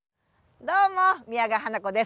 どうも宮川花子です。